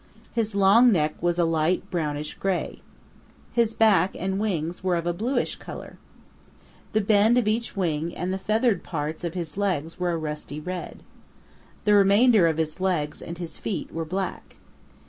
His long neck was a light brownish gray. His back and wings were of a bluish color. The bend of each wing and the feathered parts of his legs were a rusty red. The remainder of his legs and his feet were black.